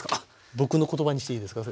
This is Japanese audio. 僕の言葉にしていいですか？